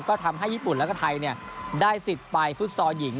ก็ทำให้ญี่ปุ่นแล้วก็ไทยได้สิทธิ์ไปฟุตซอลหญิง